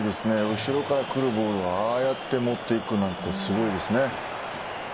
後ろからくるボールをああやって持っていくなんてすごいですね。